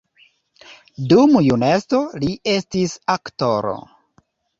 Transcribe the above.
Dum juneco li estis aktoro.